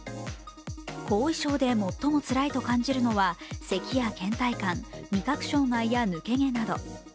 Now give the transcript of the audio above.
後遺症で最もつらいと感じるのはせきやけん怠感、味覚障害や抜け毛など。